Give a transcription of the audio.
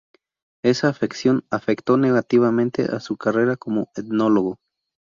Esa afección afectó negativamente a su carrera como etnólogo.